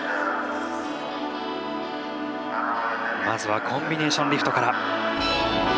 まずはコンビネーションリフトから。